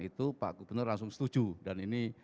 itu pak gubernur langsung setuju dan ini